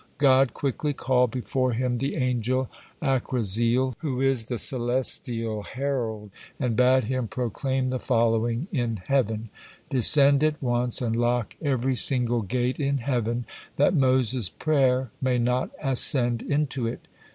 God quickly called before Him the Angel Akraziel, who is the celestial herald, and bade him proclaim the following in heaven: "Descend at once and lock every single gate in heaven, that Moses' prayer may not ascend into it."